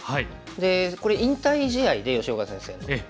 でこれ引退試合で吉岡先生の。